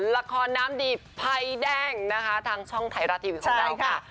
ละครน้ำดีภัยแดงนะคะทางช่องไทยรัฐทีวีของเราค่ะ